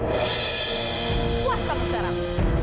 puas kamu sekarang